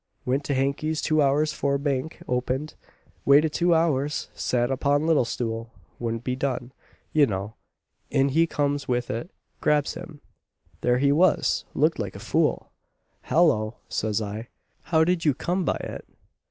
Went to Hankey's two hours 'fore Bank opened waited two hours sat upon little stool wouldn't be done, you know. In he comes with it grabs him! There he was looked like a fool. 'Hallo!' says I, 'how did you come by it?'